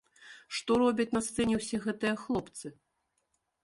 Што робяць на сцэне ўсе гэтыя хлопцы?